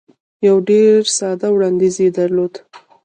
یو ډېر ساده وړاندیز یې درلود.